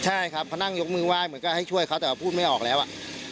ใช่ครับเขานั่งยกมือไหว้เหมือนก็ให้ช่วยเขาแต่ว่าพูดไม่ออกแล้วอ่ะ